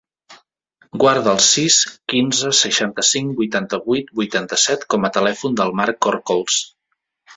Guarda el sis, quinze, seixanta-cinc, vuitanta-vuit, vuitanta-set com a telèfon del Mark Corcoles.